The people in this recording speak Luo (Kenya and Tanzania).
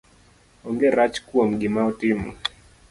Onge rach kuom gima otimo